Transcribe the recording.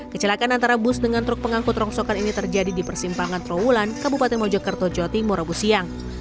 kecelakaan antara bus dengan truk pengangkut rongsokan ini terjadi di persimpangan trawulan kabupaten mojokerto jawa timur rabu siang